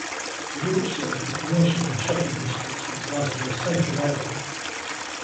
The route serves the commercial and shopping districts of Glasgow's central area.